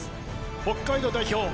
北海道代表